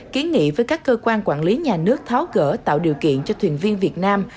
kiến nghị với các cơ quan quản lý nhà nước tháo gỡ tạo điều kiện cho thuyền viên việt nam